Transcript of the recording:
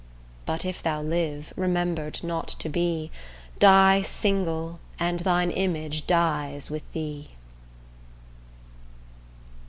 But if thou live, remember'd not to be, Die single and thine image dies with thee.